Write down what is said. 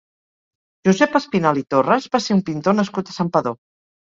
Josep Espinalt i Torres va ser un pintor nascut a Santpedor.